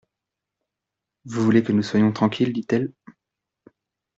—«Vous voulez que nous soyons tranquilles,» dit-elle.